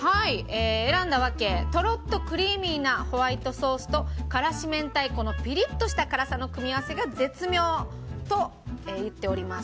選んだ訳とろっとクリーミーなホワイトソースと辛子明太子のピリッとした辛さの組み合わせが絶妙！と言っております。